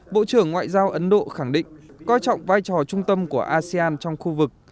bộ trưởng ngoại giao ấn độ khẳng định coi trọng vai trò trung tâm của asean trong khu vực